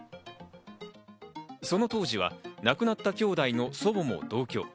その当時は亡くなった兄弟の祖母も同居。